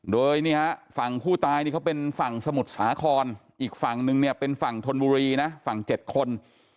โดยฝั่งผู้ตายเป็นฝั่งสมุทรสาครอีกฝั่งหนึ่งเป็นฝั่งธนบุรีฝั่งเจ็ดคน